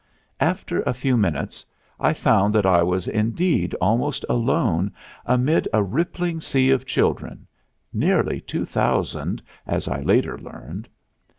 After a few minutes I found that I was indeed almost alone amid a rippling sea of children nearly two thousand, as I later learned.